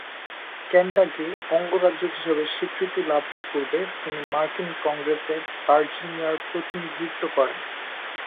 Kentucky অঙ্গরাজ্য হিসেবে স্বীকৃতি লাভের পূর্বে তিনি মার্কিন কংগ্রেসে ভার্জিনিয়ার প্রতিনিধিত্ব করেন।